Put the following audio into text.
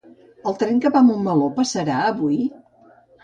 El tren que va a Montmeló, passarà avui?